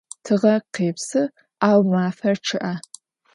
Tığer khêpsı, au mafer ççı'e.